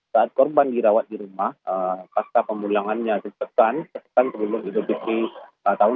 saat korban dirawat di rumah pasca pemulangannya dipekan sepekan sebelum idul fitri tahun dua ribu dua puluh